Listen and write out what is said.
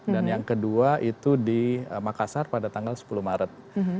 dan yang kedua itu di makassar pada tanggal sepuluh maret